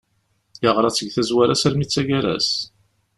Yeɣra-tt seg tazwara-s almi d taggara-s.